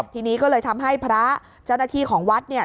ทีนี้ก็เลยทำให้พระเจ้าหน้าที่ของวัดเนี่ย